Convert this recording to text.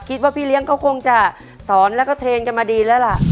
คิดว่าพี่เลี้ยงเขาคงจะสอนแล้วก็เทรนด์กันมาดีแล้วล่ะ